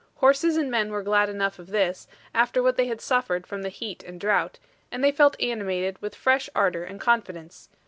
Horses and men were glad enough of this, after what they had suffered from the heat and drought, and they felt animated with fresh ardor and confidence.